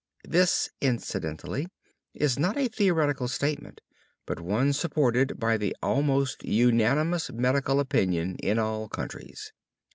This incidentally, is not a theoretical statement, but one supported by the almost unanimous medical opinion in all countries.